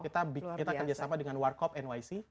kita kerjasama dengan warkop nyc